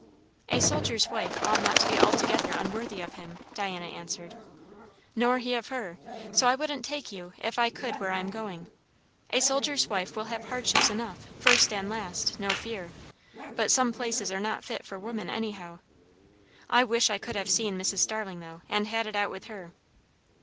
"A soldier's wife ought not to be altogether unworthy of him," Diana answered. "Nor he of her. So I wouldn't take you if I could where I am going. A soldier's wife will have hardships enough, first and last, no fear; but some places are not fit for women anyhow. I wish I could have seen Mrs. Starling, though, and had it out with her."